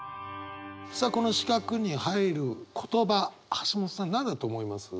さあこの四角に入る言葉橋本さん何だと思います？